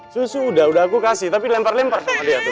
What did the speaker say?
susu udah udah aku kasih tapi lempar lempar sama dia tuh